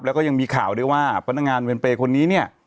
แล้วก็ยังมีข่าวด้วยว่าพนักงานเวรเปรย์คนนี้เนี่ย